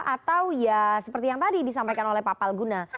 atau ya seperti yang tadi disampaikan oleh pak palguna